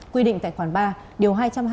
quy định tại khoản ba điều hai trăm hai mươi